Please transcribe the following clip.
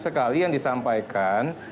sekali yang disampaikan